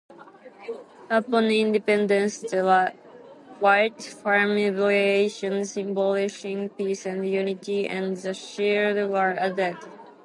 Upon independence, the white fimbriation, symbolising peace and unity, and the shield were added.